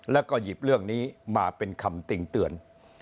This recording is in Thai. แล้วก็หยิบเรื่องนี้มาเป็นคำติ่งเตือน